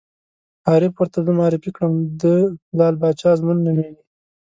عارف ور ته زه معرفي کړم: دی لعل باچا ازمون نومېږي.